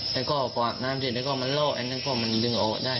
แล้วก็กอดน้ำเสร็จแล้วก็มันโละแล้วก็มันลึงออกได้